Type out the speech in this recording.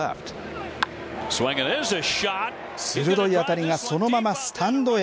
鋭い当たりが、そのままスタンドへ。